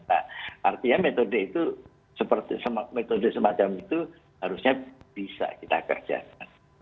nah artinya metode itu metode semacam itu harusnya bisa kita kerjakan